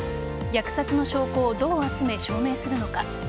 虐殺の証拠をどう集め証明するのか。